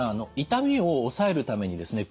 痛みを抑えるためにですね